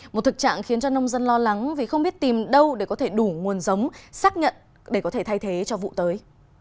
một thực trạng khiến cho nông dân lo lắng vì không biết tìm đâu để có thể đủ nguồn giống xác nhận để có thể thay thế cho vụ tới